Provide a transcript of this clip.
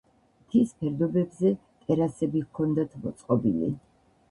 მთის ფერდობებზე ტერასები ჰქონდათ მოწყობილი.